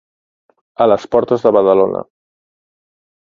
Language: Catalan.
A les portes de Badalona.